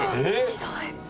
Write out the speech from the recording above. ひどい！